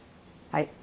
はい。